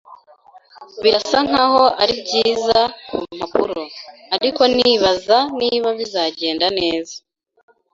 Birasa nkaho ari byiza ku mpapuro, ariko nibaza niba bizagenda neza.